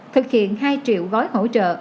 thực hiện hai triệu gói hỗ trợ